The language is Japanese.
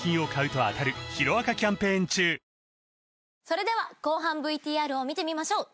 それでは後半ＶＴＲを見てみましょう。